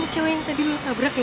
itu kan cewek yang tadi lo tabrak ya